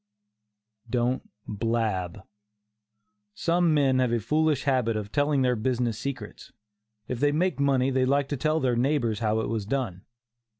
DON'T BLAB. Some men have a foolish habit of telling their business secrets. If they make money they like to tell their neighbors how it was done.